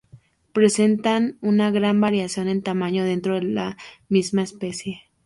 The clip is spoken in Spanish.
Presentan una gran variación en tamaño dentro de la misma especie.